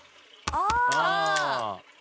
ああ！